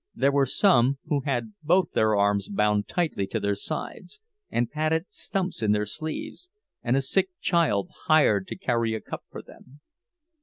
There were some who had both their arms bound tightly to their sides, and padded stumps in their sleeves, and a sick child hired to carry a cup for them.